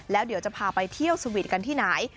แล้วเดี๋ยวจะพาไปเที่ยวสวีทกันที่ไหน